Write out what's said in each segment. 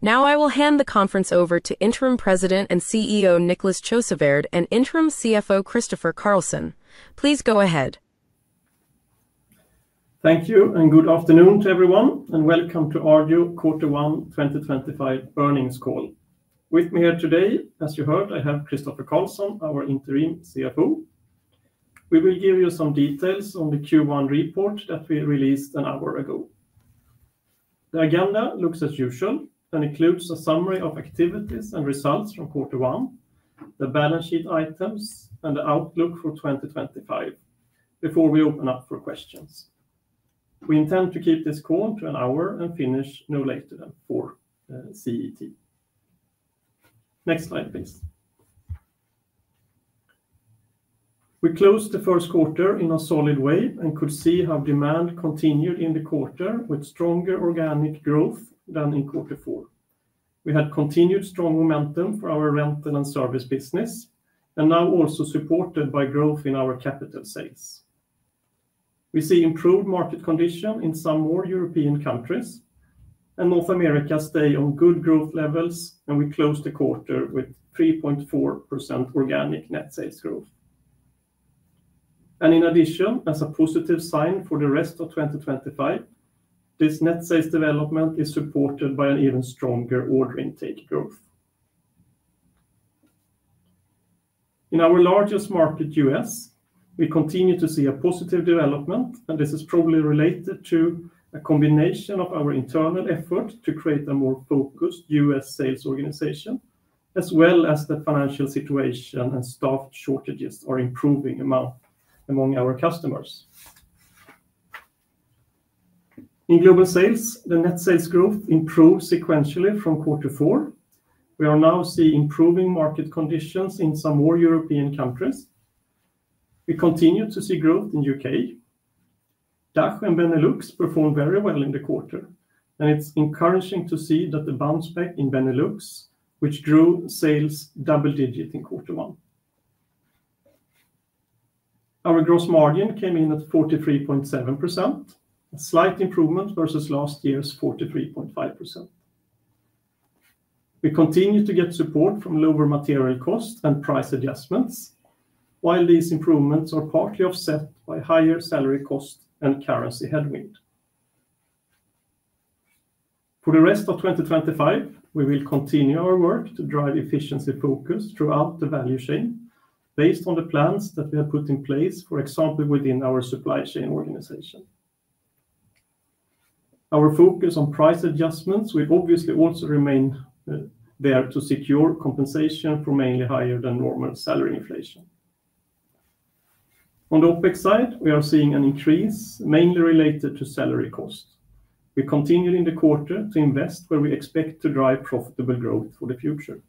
Now I will hand the conference over to Interim President and CEO Niclas Sjöswärd and Interim CFO Christofer Carlsson. Please go ahead. Thank you, and good afternoon to everyone, and welcome to Arjo quarter one 2025 Earnings Call. With me here today, as you heard, I have Christofer Carlsson, our Interim CFO. We will give you some details on the quarter one report that we released an hour ago. The agenda looks as usual and includes a summary of activities and results from quarter one, the balance sheet items, and the outlook for 2025. Before we open up for questions, we intend to keep this call to an hour and finish no later than 4:00 P.M. CET. Next slide, please. We closed the first quarter in a solid way and could see how demand continued in the quarter, with stronger organic growth than in quarter four. We had continued strong momentum for our rental and service business, and now also supported by growth in our capital sales. We see improved market conditions in some more European countries, and North America stayed on good growth levels, and we closed the quarter with 3.4% organic net sales growth. In addition, as a positive sign for the rest of 2025, this net sales development is supported by an even stronger order intake growth. In our largest market, U.S., we continue to see a positive development, and this is probably related to a combination of our internal effort to create a more focused U.S. sales organization, as well as the financial situation and staff shortages are improving among our customers. In global sales, the net sales growth improved sequentially from quarter four. We are now seeing improving market conditions in some more European countries. We continue to see growth in the U.K. DACH and Benelux performed very well in the quarter, and it's encouraging to see that the bounce back in Benelux, which grew sales double-digit in quarter one. Our gross margin came in at 43.7%, a slight improvement versus last year's 43.5%. We continue to get support from lower material costs and price adjustments, while these improvements are partly offset by higher salary cost and currency headwind. For the rest of 2025, we will continue our work to drive efficiency focus throughout the value chain based on the plans that we have put in place, for example, within our supply chain organization. Our focus on price adjustments will obviously also remain there to secure compensation for mainly higher than normal salary inflation. On the OpEx side, we are seeing an increase mainly related to salary cost. We continued in the quarter to invest where we expect to drive profitable growth for the future.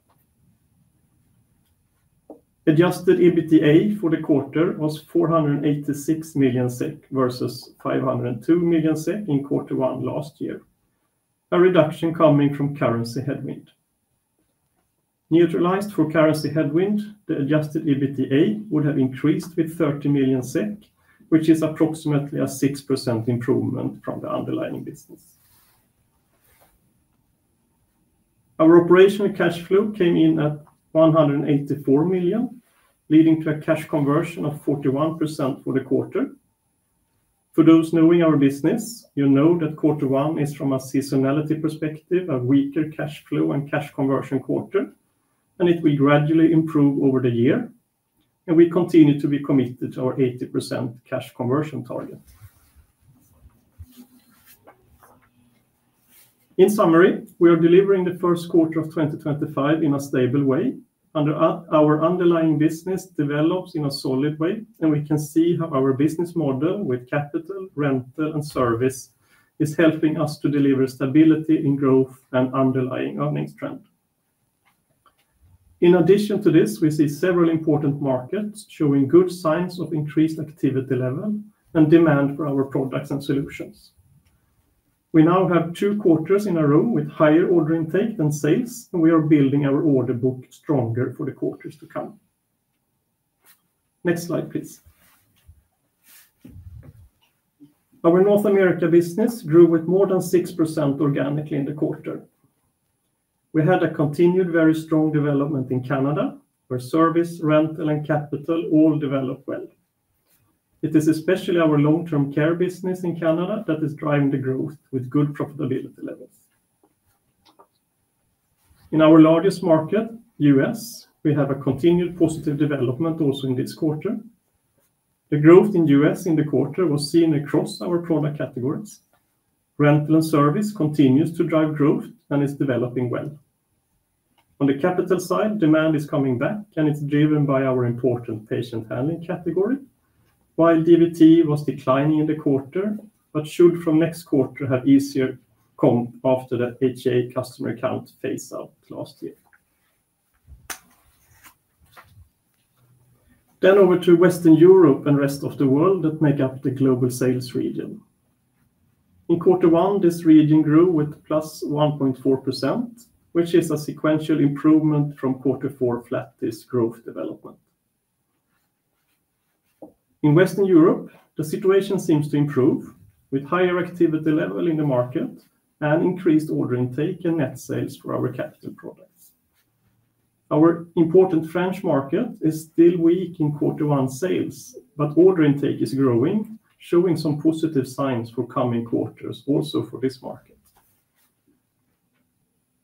Adjusted EBITDA for the quarter was 486 million SEK versus 502 million SEK in quarter one last year, a reduction coming from currency headwind. Neutralized for currency headwind, the adjusted EBITDA would have increased with 30 million SEK, which is approximately a 6% improvement from the underlying business. Our operational cash flow came in at 184 million, leading to a cash conversion of 41% for the quarter. For those knowing our business, you know that quarter one is, from a seasonality perspective, a weaker cash flow and cash conversion quarter, and it will gradually improve over the year. We continue to be committed to our 80% cash conversion target. In summary, we are delivering the first quarter of 2025 in a stable way. Our underlying business develops in a solid way, and we can see how our business model with capital, rental, and service is helping us to deliver stability in growth and underlying earnings trend. In addition to this, we see several important markets showing good signs of increased activity level and demand for our products and solutions. We now have two quarters in a row with higher order intake than sales, and we are building our order book stronger for the quarters to come. Next slide, please. Our North America business grew with more than 6% organically in the quarter. We had a continued very strong development in Canada, where service, rental, and capital all developed well. It is especially our long-term care business in Canada that is driving the growth with good profitability levels. In our largest market, U.S., we have a continued positive development also in this quarter. The growth in U.S. in the quarter was seen across our product categories. Rental and service continues to drive growth and is developing well. On the capital side, demand is coming back, and it's driven by our important patient handling category, while DVT was declining in the quarter, but should from next quarter have easier comp after the HCA customer account phase-out last year. Over to Western Europe and the rest of the world that make up the global sales region. In quarter one, this region grew with +1.4%, which is a sequential improvement from quarter four flat this growth development. In Western Europe, the situation seems to improve with higher activity level in the market and increased order intake and net sales for our capital products. Our important French market is still weak in quarter one sales, but order intake is growing, showing some positive signs for coming quarters also for this market.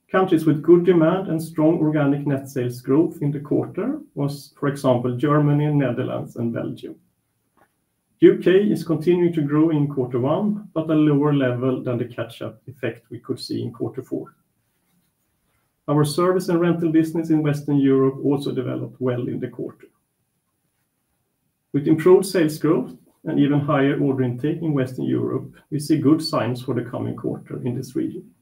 Countries with good demand and strong organic net sales growth in the quarter were, for example, Germany, the Netherlands, and Belgium. The U.K. is continuing to grow in quarter one, but at a lower level than the catch-up effect we could see in quarter four. Our service and rental business in Western Europe also developed well in the quarter. With improved sales growth and even higher order intake in Western Europe, we see good signs for the coming quarter in this region.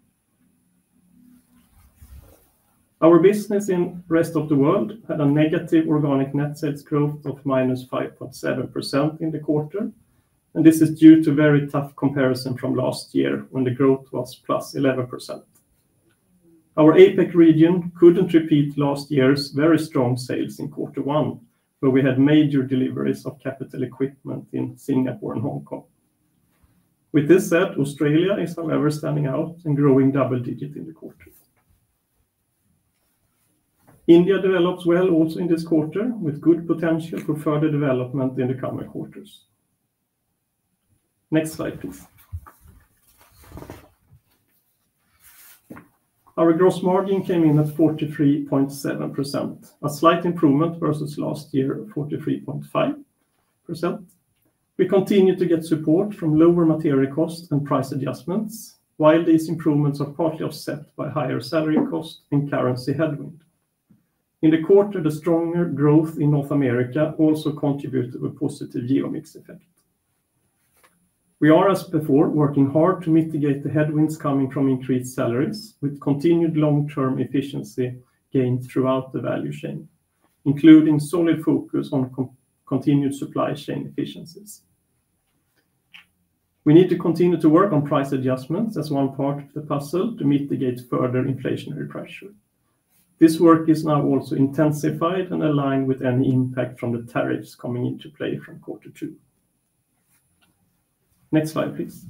Our business in the rest of the world had a negative organic net sales growth of -5.7% in the quarter, and this is due to a very tough comparison from last year when the growth was +11%. Our APEC region could not repeat last year's very strong sales in quarter one, where we had major deliveries of capital equipment in Singapore and Hong Kong. With this said, Australia is, however, standing out and growing double-digit in the quarter. India develops well also in this quarter, with good potential for further development in the coming quarters. Next slide, please. Our gross margin came in at 43.7%, a slight improvement versus last year of 43.5%. We continue to get support from lower material costs and price adjustments, while these improvements are partly offset by higher salary costs and currency headwind. In the quarter, the stronger growth in North America also contributed with positive geo-mix effect. We are, as before, working hard to mitigate the headwinds coming from increased salaries with continued long-term efficiency gained throughout the value chain, including solid focus on continued supply chain efficiencies. We need to continue to work on price adjustments as one part of the puzzle to mitigate further inflationary pressure. This work is now also intensified and aligned with any impact from the tariffs coming into play from quarter two. Next slide, please.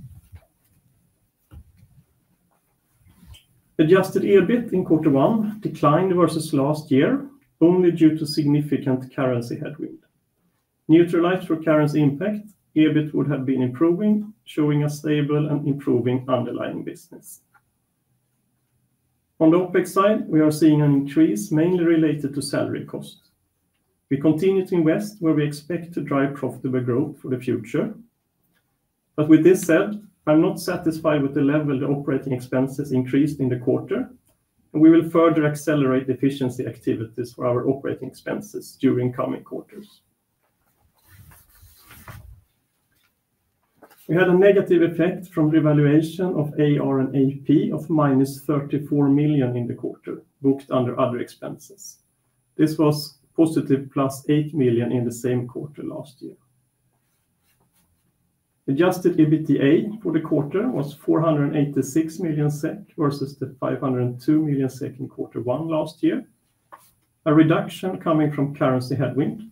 Adjusted EBIT in quarter one declined versus last year only due to significant currency headwind. Neutralized for currency impact, EBIT would have been improving, showing a stable and improving underlying business. On the OpEx side, we are seeing an increase mainly related to salary cost. We continue to invest where we expect to drive profitable growth for the future. With this said, I'm not satisfied with the level the operating expenses increased in the quarter, and we will further accelerate efficiency activities for our operating expenses during coming quarters. We had a negative effect from revaluation of AR and AP of minus 34 million in the quarter booked under other expenses. This was positive plus 8 million in the same quarter last year. Adjusted EBITDA for the quarter was 486 million SEK versus the 502 million SEK in quarter one last year, a reduction coming from currency headwind.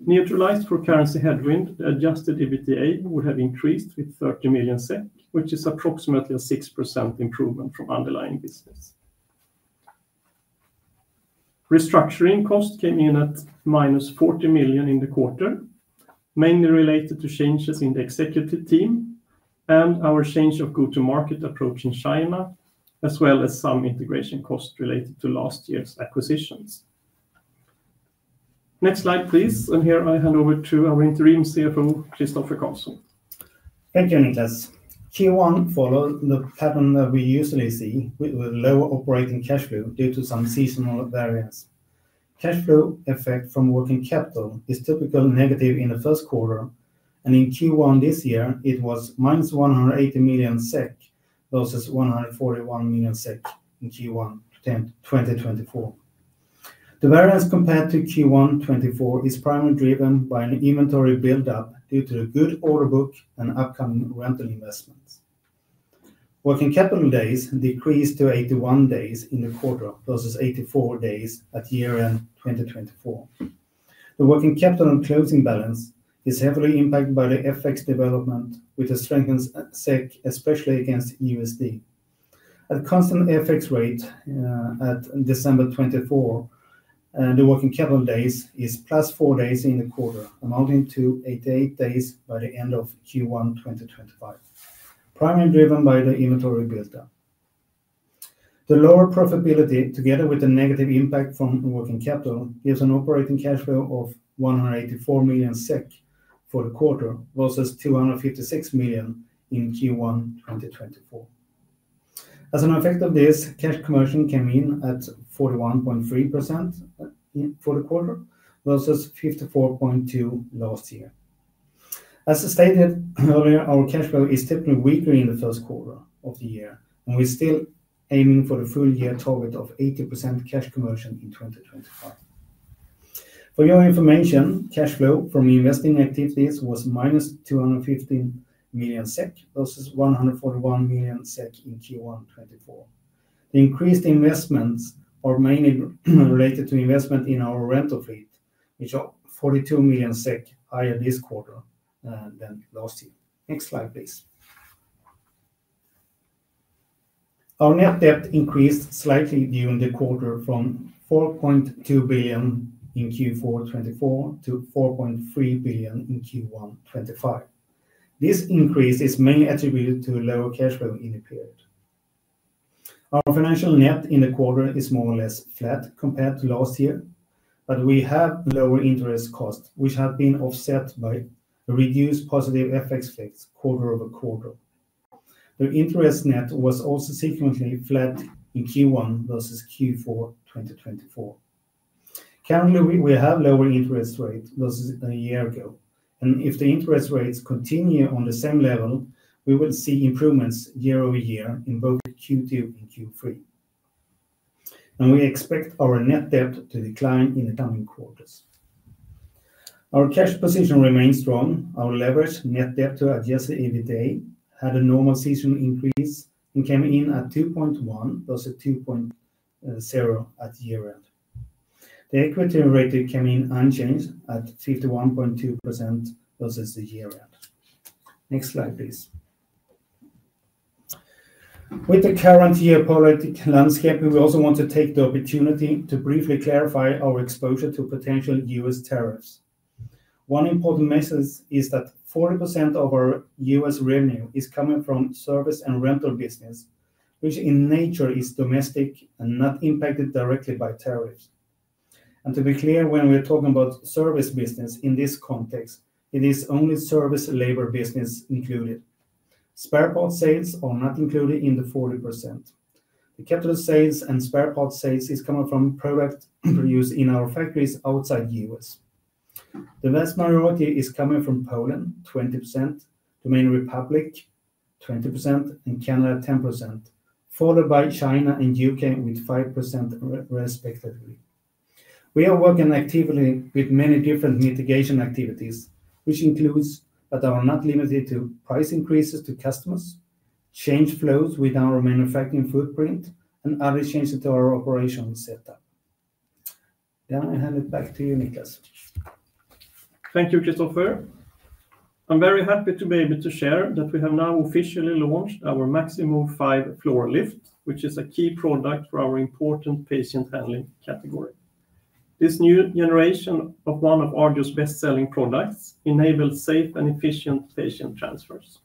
Neutralized for currency headwind, the adjusted EBITDA would have increased with 30 million SEK, which is approximately a 6% improvement from underlying business. Restructuring cost came in at minus 40 million in the quarter, mainly related to changes in the executive team and our change of go-to-market approach in China, as well as some integration costs related to last year's acquisitions. Next slide, please. Here I hand over to our Interim CFO, Christofer Carlsson. Thank you, Niclas. Q1 followed the pattern that we usually see with lower operating cash flow due to some seasonal variance. Cash flow effect from working capital is typically negative in the first quarter, and in Q1 this year, it was -180 million SEK versus 141 million SEK in Q1 2024. The variance compared to Q1 2024 is primarily driven by an inventory build-up due to the good order book and upcoming rental investments. Working capital days decreased to 81 days in the quarter versus 84 days at year-end 2024. The working capital and closing balance is heavily impacted by the FX development, which has strengthened SEK, especially against USD. At constant FX rate at December 2024, the working capital days is plus four days in the quarter, amounting to 88 days by the end of Q1 2025, primarily driven by the inventory build-up. The lower profitability, together with the negative impact from working capital, gives an operating cash flow of 184 million SEK for the quarter versus 256 million in Q1 2024. As an effect of this, cash conversion came in at 41.3% for the quarter versus 54.2% last year. As stated earlier, our cash flow is typically weaker in the first quarter of the year, and we're still aiming for the full-year target of 80% cash conversion in 2025. For your information, cash flow from investing activities was -250 million SEK versus 141 million SEK in Q1 2024. The increased investments are mainly related to investment in our rental fleet, which are 42 million SEK higher this quarter than last year. Next slide, please. Our net debt increased slightly during the quarter from 4.2 billion in Q4 2024 to 4.3 billion in Q1 2025. This increase is mainly attributed to lower cash flow in the period. Our financial net in the quarter is more or less flat compared to last year, but we have lower interest costs, which have been offset by reduced positive FX rate quarter-over-quarter. The interest net was also sequentially flat in Q1 versus Q4 2024. Currently, we have lower interest rates versus a year ago, and if the interest rates continue on the same level, we will see improvements year-over-year in both Q2 and Q3. We expect our net debt to decline in the coming quarters. Our cash position remains strong. Our leveraged net debt to adjusted EBITDA had a normal seasonal increase and came in at 2.1 versus 2.0 at year-end. The equity rate came in unchanged at 51.2% versus the year-end. Next slide, please. With the current year political landscape, we also want to take the opportunity to briefly clarify our exposure to potential U.S. tariffs. One important message is that 40% of our U.S. revenue is coming from service and rental business, which in nature is domestic and not impacted directly by tariffs. To be clear, when we're talking about service business in this context, it is only service labor business included. Spare part sales are not included in the 40%. The capital sales and spare part sales are coming from product produced in our factories outside the U.S. The vast majority is coming from Poland, 20%, the Dominican Republic, 20%, and Canada, 10%, followed by China and the U.K. with 5% respectively. We are working actively with many different mitigation activities, which includes, but are not limited to, price increases to customers, change flows with our manufacturing footprint, and other changes to our operational setup. I hand it back to you, Niclas. Thank you, Christofer. I'm very happy to be able to share that we have now officially launched our Maxi Move 5 floor lift, which is a key product for our important patient handling category. This new generation of one of Arjo's best-selling products enables safe and efficient patient transfers.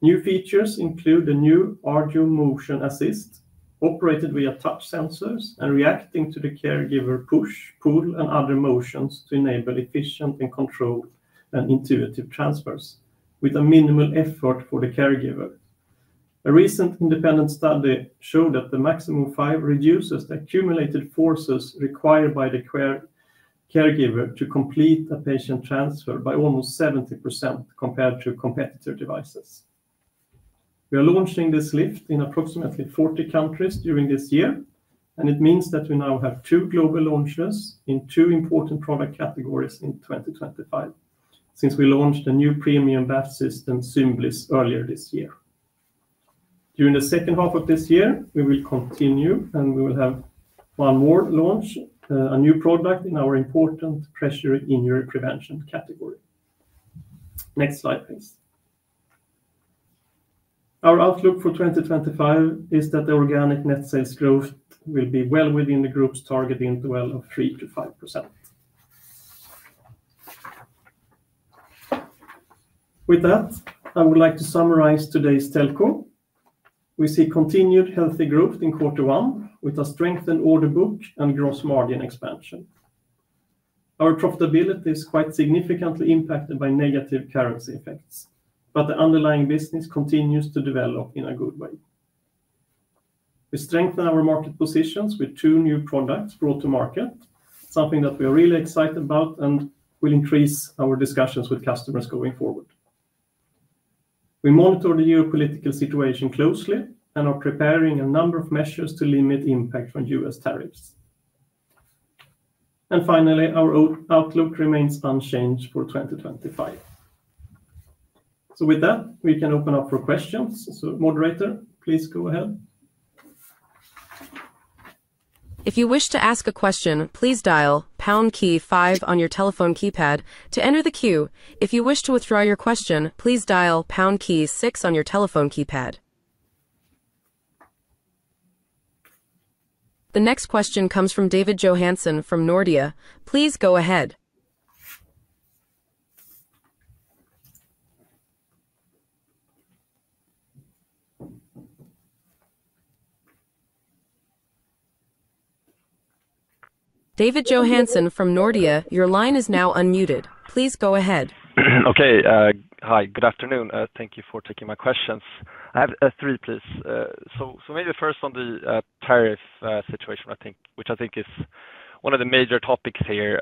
New features include the new Arjo Motion Assist, operated via touch sensors and reacting to the caregiver push, pull, and other motions to enable efficient and controlled and intuitive transfers with minimal effort for the caregiver. A recent independent study showed that the Maxi Move 5 reduces the accumulated forces required by the caregiver to complete a patient transfer by almost 70% compared to competitor devices. We are launching this lift in approximately 40 countries during this year, and it means that we now have two global launches in two important product categories in 2025 since we launched a new premium bath system, Symbliss, earlier this year. During the H2 of this year, we will continue and we will have one more launch, a new product in our important pressure injury prevention category. Next slide, please. Our outlook for 2025 is that the organic net sales growth will be well within the group's target interval of 3%-5%. With that, I would like to summarize today's telco. We see continued healthy growth in quarter one with a strengthened order book and gross margin expansion. Our profitability is quite significantly impacted by negative currency effects, but the underlying business continues to develop in a good way. We strengthen our market positions with two new products brought to market, something that we are really excited about and will increase our discussions with customers going forward. We monitor the geopolitical situation closely and are preparing a number of measures to limit impact from U.S. tariffs. Finally, our outlook remains unchanged for 2025. With that, we can open up for questions. Moderator, please go ahead. If you wish to ask a question, please dial pound key five on your telephone keypad to enter the queue. If you wish to withdraw your question, please dial pound key six on your telephone keypad. The next question comes from David Johansson from Nordea. Please go ahead. David Johansson from Nordea, your line is now unmuted. Please go ahead. Okay. Hi, good afternoon. Thank you for taking my questions. I have three, please. First on the tariff situation, which I think is one of the major topics here.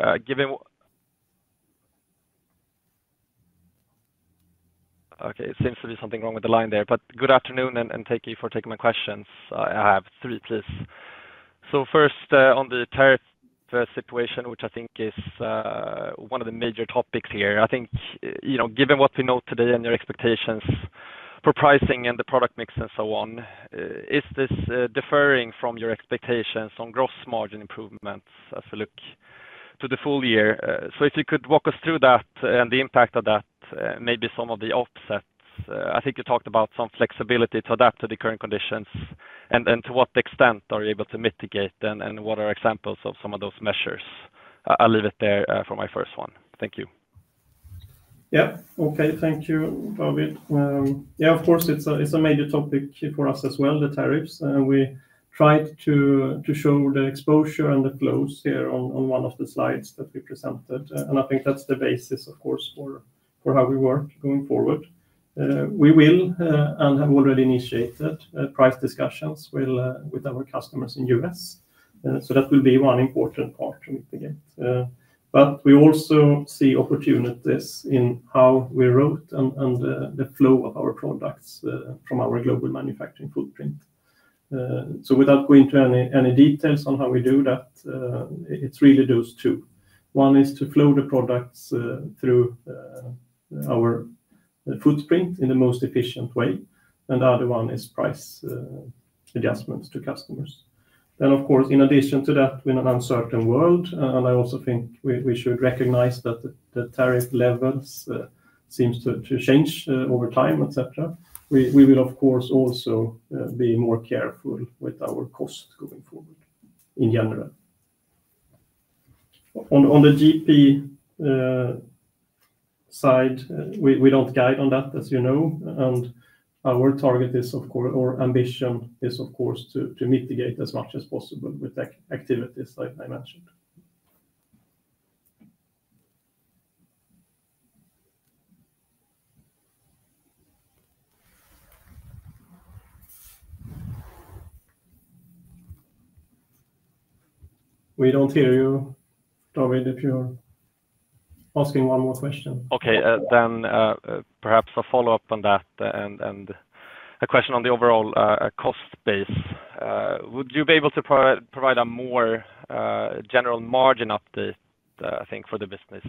It seems to be something wrong with the line there, but good afternoon and thank you for taking my questions. I have three, please. First on the tariff situation, which I think is one of the major topics here. I think given what we know today and your expectations for pricing and the product mix and so on, is this deferring from your expectations on gross margin improvements as we look to the full year? If you could walk us through that and the impact of that, maybe some of the offsets. I think you talked about some flexibility to adapt to the current conditions and to what extent are you able to mitigate and what are examples of some of those measures. I'll leave it there for my first one. Thank you. Yeah. Okay. Thank you, David. Yeah, of course, it's a major topic for us as well, the tariffs. We tried to show the exposure and the flows here on one of the slides that we presented. I think that's the basis, of course, for how we work going forward. We will and have already initiated price discussions with our customers in the U.S. That will be one important part to mitigate. We also see opportunities in how we route and the flow of our products from our global manufacturing footprint. Without going into any details on how we do that, it's really those two. One is to flow the products through our footprint in the most efficient way. The other one is price adjustments to customers. Of course, in addition to that, we're in an uncertain world. I also think we should recognize that the tariff levels seem to change over time, etc. We will, of course, also be more careful with our costs going forward in general. On the GP side, we do not guide on that, as you know. Our target is, of course, or ambition is, of course, to mitigate as much as possible with activities like I mentioned. We do not hear you, David, if you are asking one more question. Okay. Perhaps a follow-up on that and a question on the overall cost base. Would you be able to provide a more general margin update, I think, for the business?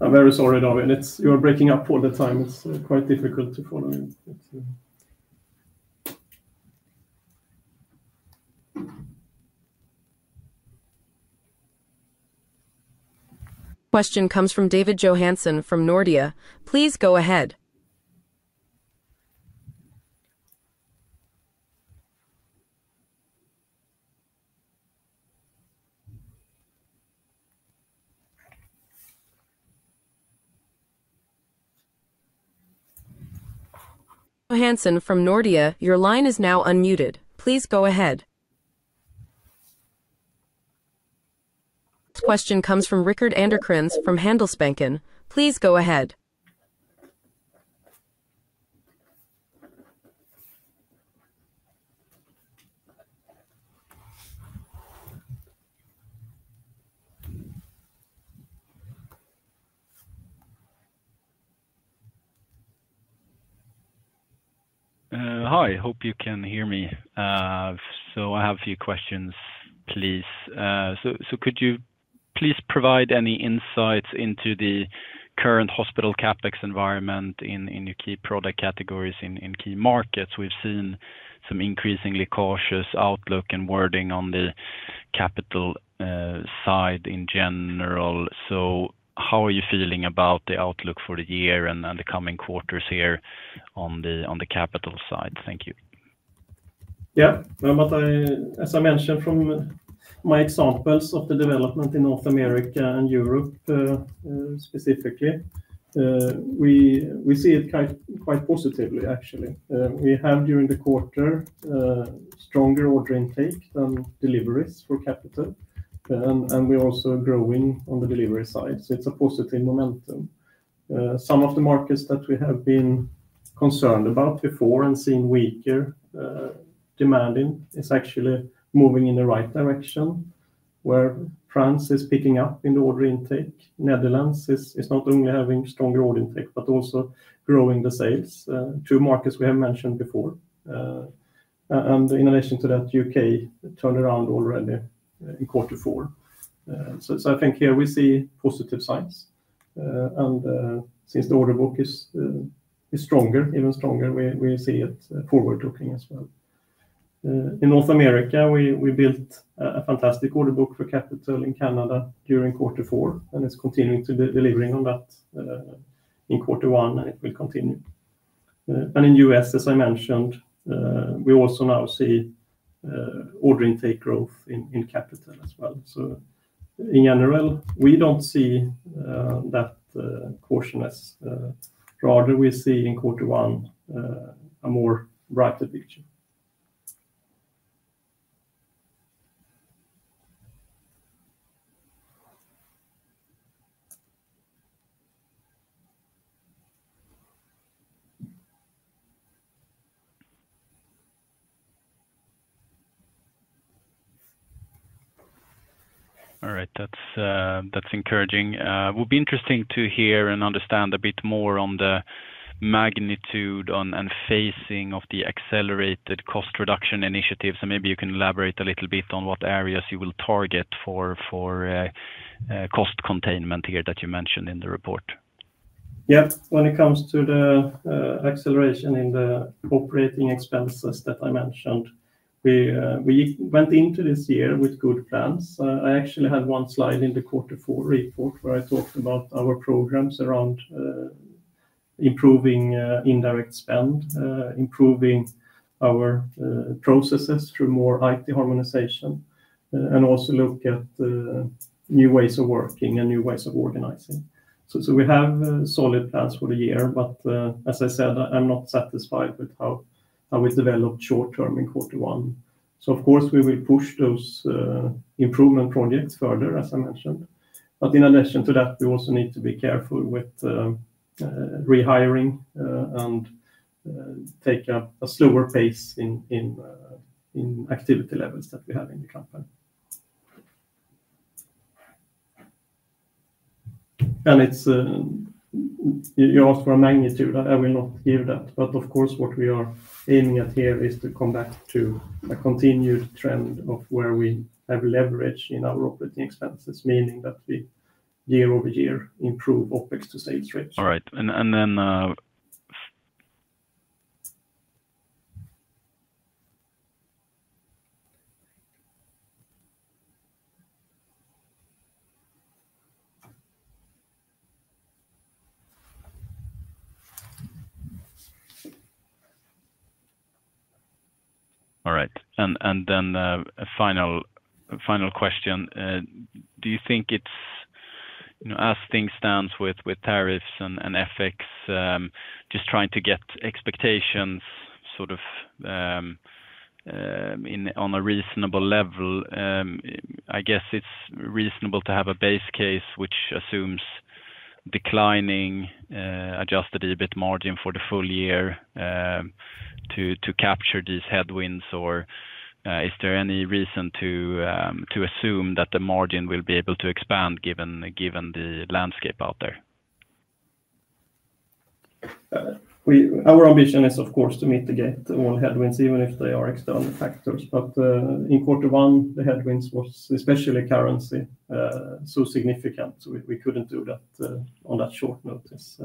I'm very sorry, David. You are breaking up all the time. It's quite difficult to follow. Question comes from David Johansson from Nordea. Please go ahead. Johansson from Nordea, your line is now unmuted. Please go ahead. Question comes from Rickard Anderkrans from Handelsbanken. Please go ahead. Hi. Hope you can hear me. I have a few questions, please. Could you please provide any insights into the current hospital CapEx environment in your key product categories in key markets? We've seen some increasingly cautious outlook and wording on the capital side in general. How are you feeling about the outlook for the year and the coming quarters here on the capital side? Thank you. Yeah. As I mentioned from my examples of the development in North America and Europe specifically, we see it quite positively, actually. We have, during the quarter, stronger order intake than deliveries for capital. We are also growing on the delivery side. It is a positive momentum. Some of the markets that we have been concerned about before and seen weaker demanding is actually moving in the right direction, where France is picking up in the order intake. Netherlands is not only having stronger order intake, but also growing the sales, two markets we have mentioned before. In addition to that, the U.K. turned around already in quarter four. I think here we see positive signs. Since the order book is stronger, even stronger, we see it forward-looking as well. In North America, we built a fantastic order book for capital in Canada during quarter four. It is continuing to deliver on that in quarter one and it will continue. In the U.S., as I mentioned, we also now see order intake growth in capital as well. In general, we do not see that cautiousness. Rather, we see in quarter one a more brighter picture. All right. That's encouraging. It would be interesting to hear and understand a bit more on the magnitude and phasing of the accelerated cost reduction initiatives. Maybe you can elaborate a little bit on what areas you will target for cost containment here that you mentioned in the report? Yeah. When it comes to the acceleration in the operating expenses that I mentioned, we went into this year with good plans. I actually had one slide in the quarter four report where I talked about our programs around improving indirect spend, improving our processes through more IT harmonization, and also look at new ways of working and new ways of organizing. We have solid plans for the year, but as I said, I'm not satisfied with how we developed short-term in quarter one. Of course, we will push those improvement projects further, as I mentioned. In addition to that, we also need to be careful with rehiring and take a slower pace in activity levels that we have in the company. You asked for a magnitude. I will not give that. Of course, what we are aiming at here is to come back to a continued trend of where we have leverage in our operating expenses, meaning that we year-over-year improve OpEx to sales ratio. All right. And then a final question. Do you think it's, as things stand with tariffs and FX, just trying to get expectations sort of on a reasonable level, I guess it's reasonable to have a base case which assumes declining adjusted EBIT margin for the full year to capture these headwinds? Is there any reason to assume that the margin will be able to expand given the landscape out there? Our ambition is, of course, to mitigate all headwinds, even if they are external factors. In quarter one, the headwinds was especially currency so significant, we could not do that on that short notice.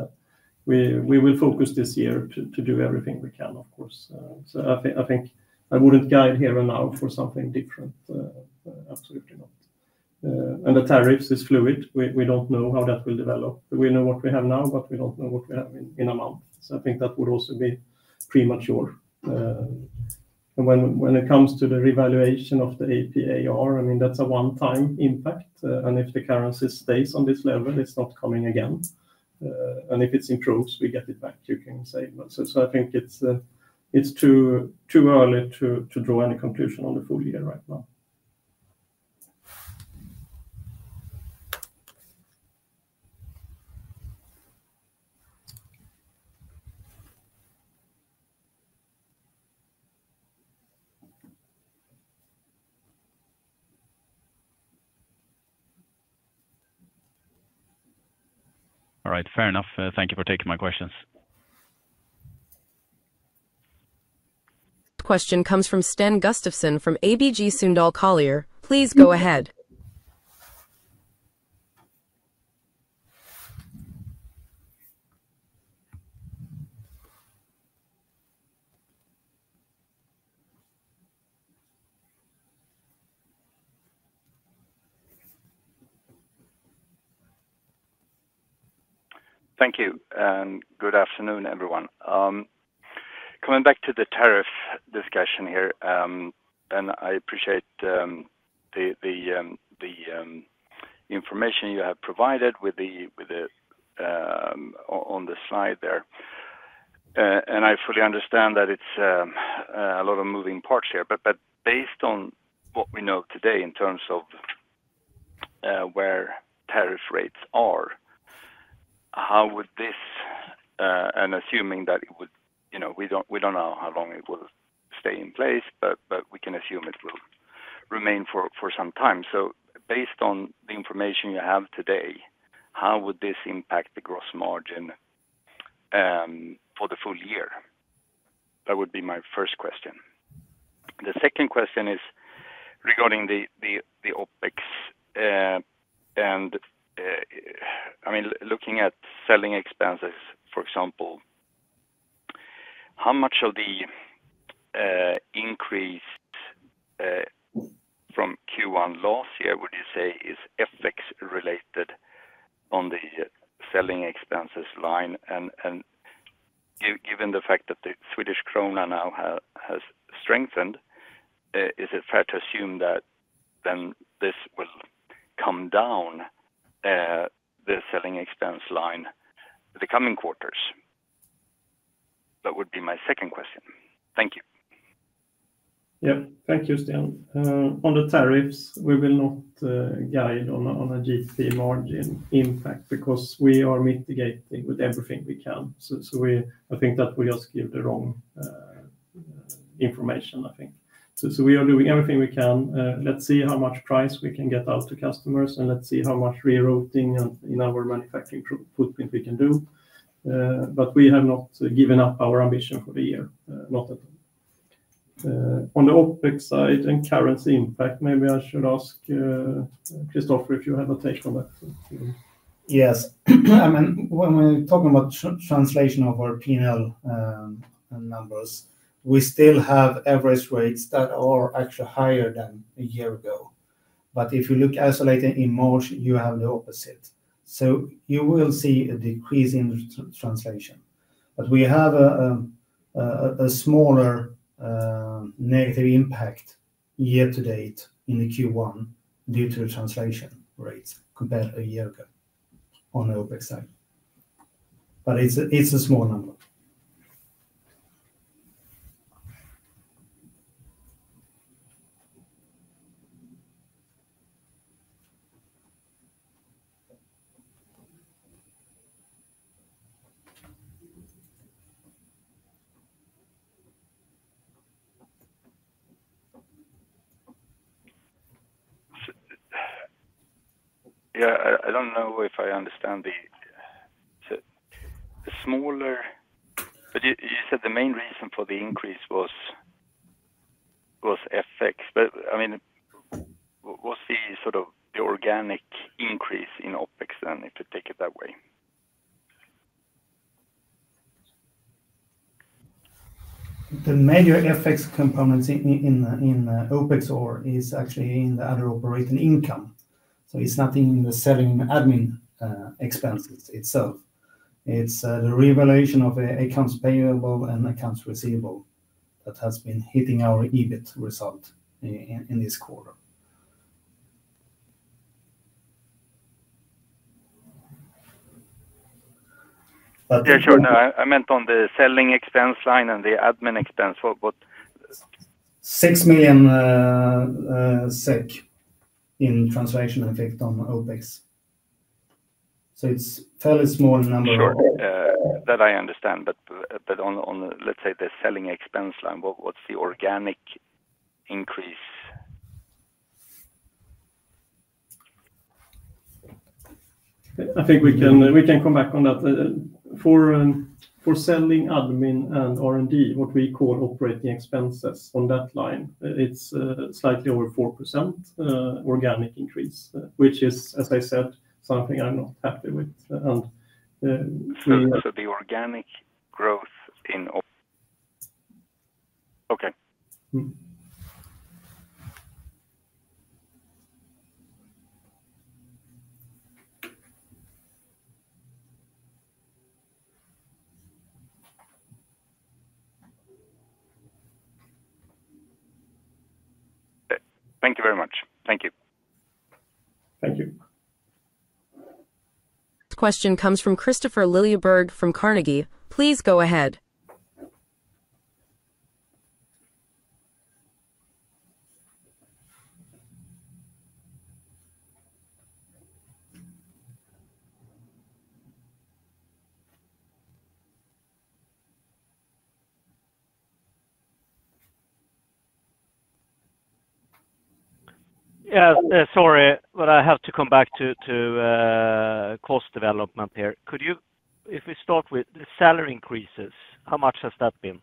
We will focus this year to do everything we can, of course. I think I would not guide here and now for something different. Absolutely not. The tariffs is fluid. We do not know how that will develop. We know what we have now, but we do not know what we have in a month. I think that would also be premature. When it comes to the revaluation of the AP/AR, I mean, that is a one-time impact. If the currency stays on this level, it is not coming again. If it improves, we get it back, you can say. I think it's too early to draw any conclusion on the full year right now. All right. Fair enough. Thank you for taking my questions. Question comes from Sten Gustafsson from ABG Sundal Collier. Please go ahead. Thank you. Good afternoon, everyone. Coming back to the tariff discussion here, I appreciate the information you have provided on the slide there. I fully understand that it's a lot of moving parts here. Based on what we know today in terms of where tariff rates are, how would this, and assuming that it would, we do not know how long it will stay in place, but we can assume it will remain for some time. Based on the information you have today, how would this impact the gross margin for the full year? That would be my first question. The second question is regarding the OpEx. I mean, looking at selling expenses, for example, how much of the increase from quarter one last year would you say is FX-related on the selling expenses line? Given the fact that the Swedish krona now has strengthened, is it fair to assume that this will come down, the selling expense line, the coming quarters? That would be my second question. Thank you. Yeah. Thank you, Sten. On the tariffs, we will not guide on a GP margin impact because we are mitigating with everything we can. I think that will just give the wrong information, I think. We are doing everything we can. Let's see how much price we can get out to customers, and let's see how much rerouting in our manufacturing footprint we can do. We have not given up our ambition for the year, not at all. On the OpEx side and currency impact, maybe I should ask Christofer if you have a take on that. Yes. I mean, when we're talking about translation of our P&L numbers, we still have average rates that are actually higher than a year ago. If you look isolated in March, you have the opposite. You will see a decrease in translation. We have a smaller negative impact year to date in the quarter one due to the translation rates compared to a year ago on the OpEx side. It is a small number. Yeah. I do not know if I understand the smaller. You said the main reason for the increase was FX. I mean, what is the sort of the organic increase in OpEx then, if you take it that way? The major FX components in OpEx is actually in the other operating income. So it's nothing in the selling admin expenses itself. It's the revaluation of accounts payable and accounts receivable that has been hitting our EBIT result in this quarter. Yeah. Sure. No. I meant on the selling expense line and the admin expense. What? SEK 6 million in translation effect on OpEx. It is a fairly small number. Sure. That I understand. On, let's say, the selling expense line, what's the organic increase? I think we can come back on that. For selling admin and R&D, what we call operating expenses on that line, it's slightly over 4% organic increase, which is, as I said, something I'm not happy with. We. The organic growth in. Okay. Thank you very much. Thank you. Thank you. Question comes from Kristofer Liljeberg from Carnegie. Please go ahead. Yeah. Sorry, but I have to come back to cost development here. If we start with the salary increases, how much has that been?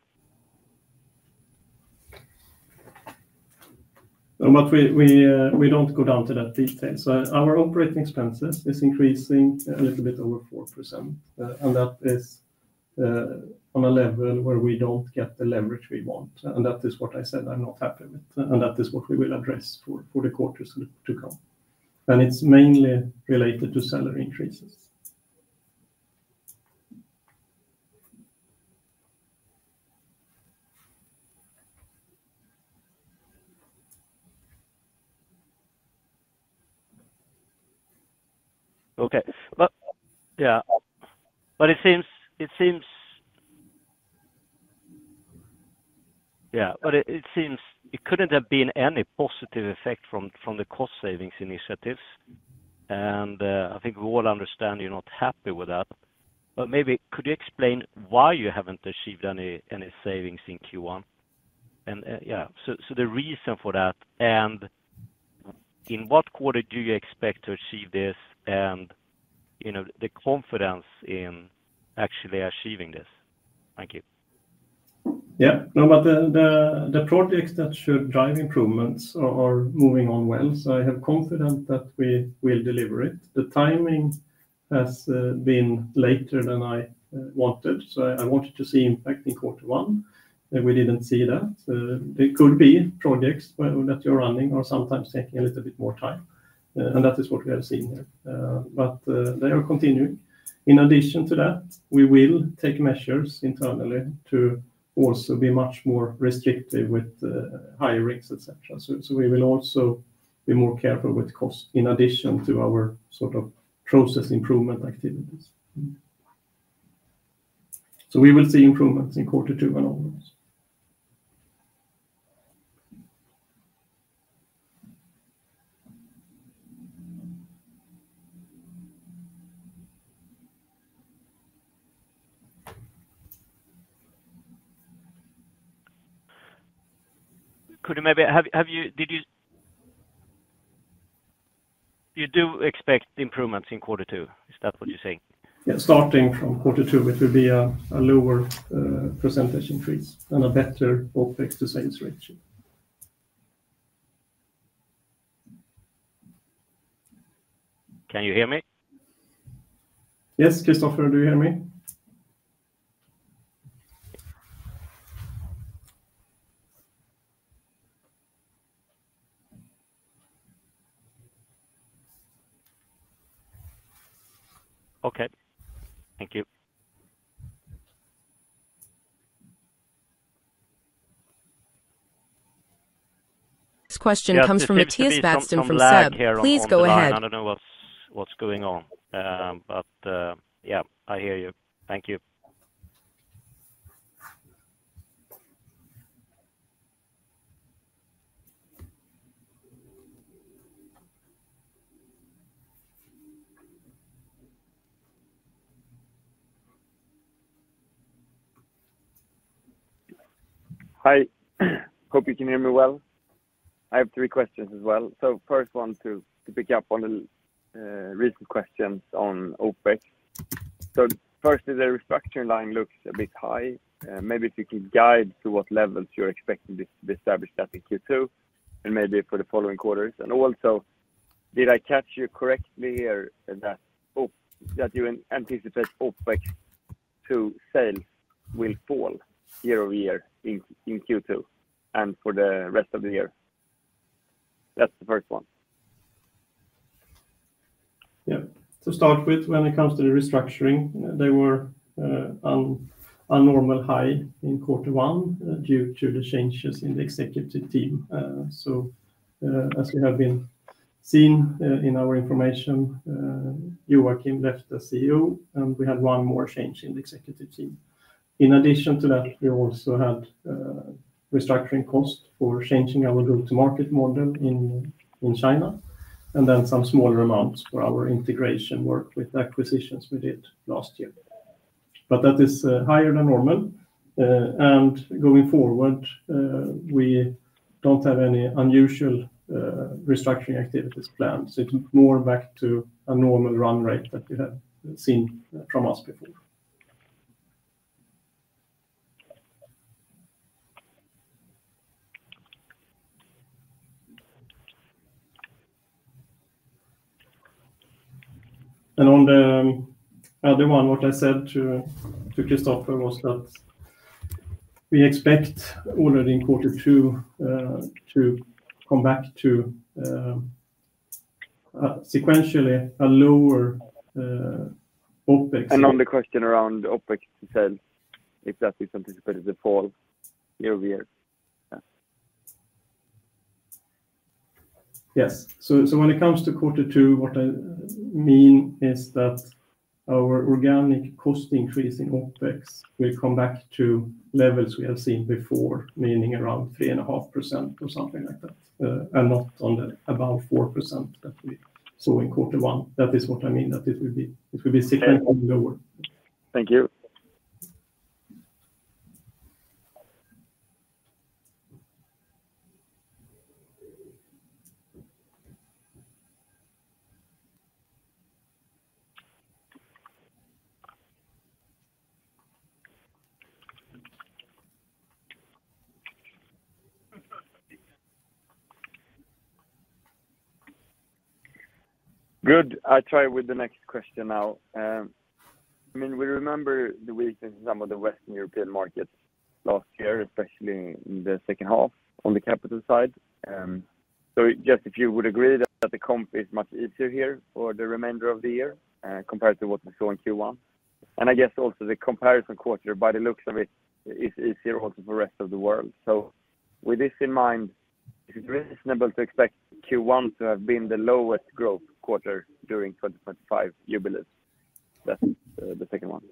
We do not go down to that detail. Our operating expenses are increasing a little bit over 4%. That is on a level where we do not get the leverage we want. That is what I said I am not happy with. That is what we will address for the quarters to come. It is mainly related to salary increases. Okay. Yeah. It seems, yeah, it seems it could not have been any positive effect from the cost savings initiatives. I think we all understand you are not happy with that. Maybe could you explain why you have not achieved any savings in Q1? The reason for that, in what quarter do you expect to achieve this, and the confidence in actually achieving this? Thank you. Yeah. No, but the projects that should drive improvements are moving on well. I have confidence that we will deliver it. The timing has been later than I wanted. I wanted to see impact in quarter one. We did not see that. There could be projects that you are running are sometimes taking a little bit more time. That is what we have seen here. They are continuing. In addition to that, we will take measures internally to also be much more restrictive with hirings, etc. We will also be more careful with cost in addition to our sort of process improvement activities. We will see improvements in quarter two and all those. Could you maybe, do you expect improvements in quarter two? Is that what you're saying? Yeah. Starting from quarter two with a lower percentage increase and a better OpEx to sales ratio. Can you hear me? Yes, Kristofer, do you hear me? Okay. Thank you. Question comes from Mattias Vadsten from SEB. Please go ahead. I don't know what's going on. Yeah, I hear you. Thank you. Hi. Hope you can hear me well. I have three questions as well. First, want to pick up on the recent questions on OpEx. First, is the restructuring line looks a bit high? Maybe if you can guide to what levels you're expecting this to be established in quarter two and maybe for the following quarters. Also, did I catch you correctly here that you anticipate OpEx to sales will fall year-over-year in Q2 and for the rest of the year? That's the first one. Yeah. To start with, when it comes to the restructuring, they were on a normal high in quarter one due to the changes in the executive team. As we have been seen in our information, Joacim Lindoff left as CEO, and we had one more change in the executive team. In addition to that, we also had restructuring cost for changing our go-to-market model in China and then some smaller amounts for our integration work with acquisitions we did last year. That is higher than normal. Going forward, we do not have any unusual restructuring activities planned. It is more back to a normal run rate that you have seen from us before. On the other one, what I said to Christofer was that we expect already in quarter two to come back to sequentially a lower OpEx. On the question around OpEx to sales, if that is anticipated to fall year-over-year. Yes. When it comes to quarter two, what I mean is that our organic cost increase in OpEx will come back to levels we have seen before, meaning around 3.5% or something like that, and not on the about 4% that we saw in quarter one. That is what I mean, that it will be sequentially lower. Thank you. Good. I try with the next question now. I mean, we remember the weakness in some of the Western European markets last year, especially in the H2 on the capital side. Just if you would agree that the comp is much easier here for the remainder of the year compared to what we saw in quarter one. I guess also the comparison quarter, by the looks of it, is easier also for the rest of the world. With this in mind, is it reasonable to expect quarter one to have been the lowest growth quarter during 2025 do you believe? That is the second one.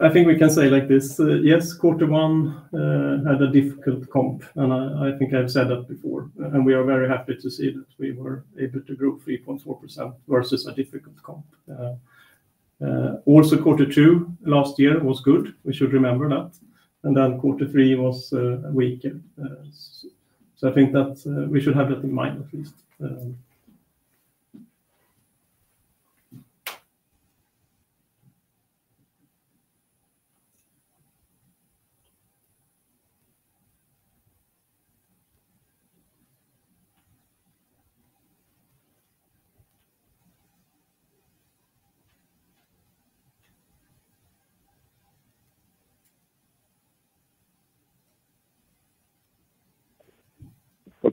I think we can say like this. Yes, quarter one had a difficult comp. I think I've said that before. We are very happy to see that we were able to grow 3.4% versus a difficult comp. Also, quarter two last year was good. We should remember that. Quarter three was weaker. I think that we should have that in mind at least.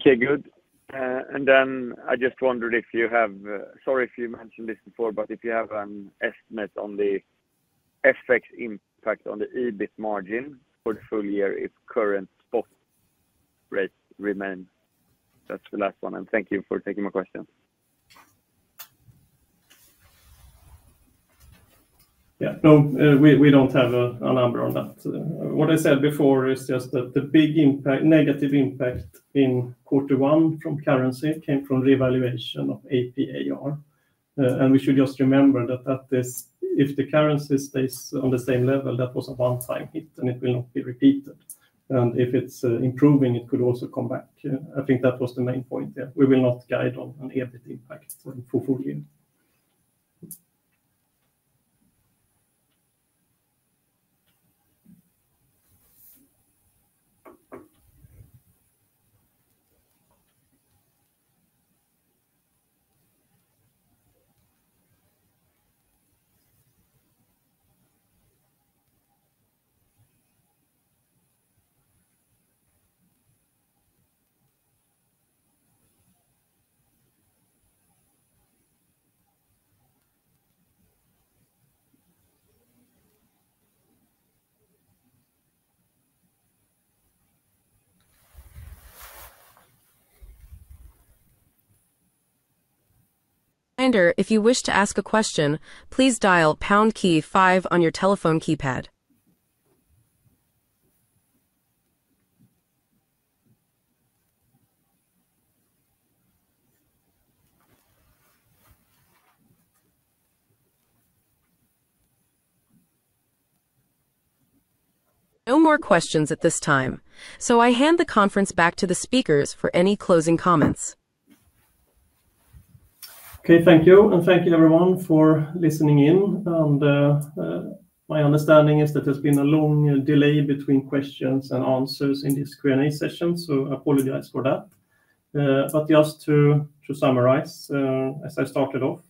Okay. Good. I just wondered if you have—sorry if you mentioned this before—but if you have an estimate on the FX impact on the EBIT margin for the full year if current spot rates remain. That's the last one. Thank you for taking my question. Yeah. No, we do not have a number on that. What I said before is just that the big negative impact in quarter one from currency came from revaluation of AP/AR. We should just remember that if the currency stays on the same level, that was a one-time hit, and it will not be repeated. If it is improving, it could also come back. I think that was the main point here. We will not guide on an EBIT impact for full year. Reminder, if you wish to ask a question, please dial pound key five on your telephone keypad. No more questions at this time. I hand the conference back to the speakers for any closing comments. Okay. Thank you. Thank you, everyone, for listening in. My understanding is that there's been a long delay between questions and answers in this Q&A session. I apologize for that. Just to summarize, as I started off,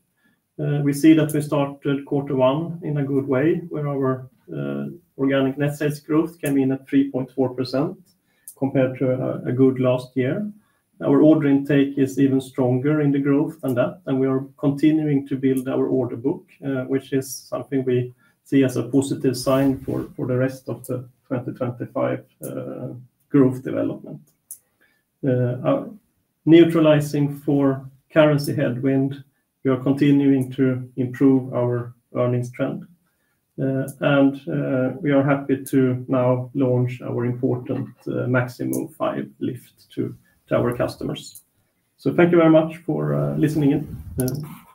we see that we started quarter one in a good way, where our organic net sales growth came in at 3.4% compared to a good last year. Our order intake is even stronger in the growth than that. We are continuing to build our order book, which is something we see as a positive sign for the rest of the 2025 growth development. Neutralizing for currency headwind, we are continuing to improve our earnings trend. We are happy to now launch our important Maxi Move 5 lift to our customers. Thank you very much for listening in. Bye.